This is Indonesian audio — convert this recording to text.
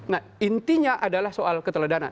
nah intinya adalah soal keteladanan